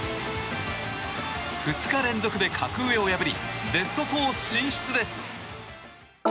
２日連続で格上を破りベスト４進出です。